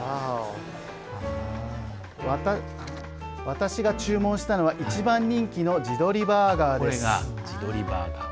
私が注文したのは一番人気の地鶏バーガーです。